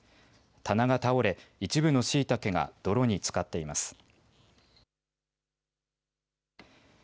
棚が倒れ一部のしいたけが泥につかっています。